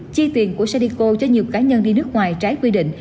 chi tiền của sadeco cho nhiều cá nhân đi nước ngoài trái quy định